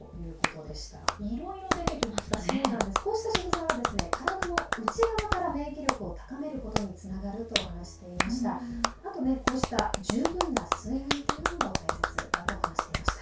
こうした食材は体の内側から免疫力を高めることにつながると話していました。